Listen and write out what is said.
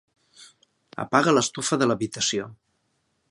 Apaga l'estufa de l'habitació.